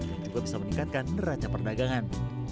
dan juga bisa meningkatkan neraca perdagangan